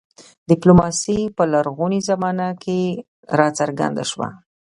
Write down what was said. ډیپلوماسي په لرغونې زمانه کې راڅرګنده شوه